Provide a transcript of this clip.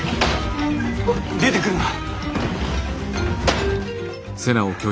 出てくるな。